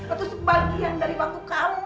atau sebagian dari waktu kamu